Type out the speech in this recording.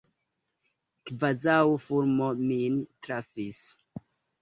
Kvazaŭ fulmo min trafis.